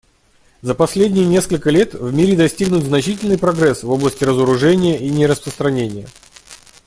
За последние несколько лет в мире достигнут значительный прогресс в области разоружения и нераспространения.